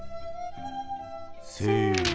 せの。